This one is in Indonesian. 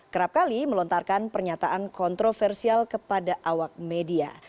kerap kali melontarkan pernyataan kontroversial kepada awak media